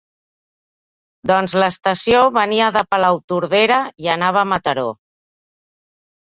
Doncs l'estació venia de Palautordera i anava a Mataró.